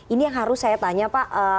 ini yang harus saya tanya pak